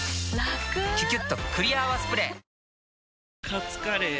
カツカレー？